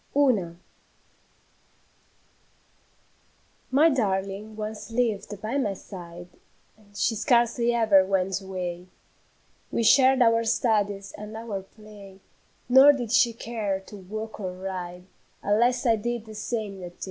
UNA. My darling once lived by my side, She scarcely ever went away; We shared our studies and our play, Nor did she care to walk or ride Unless I did the same that day.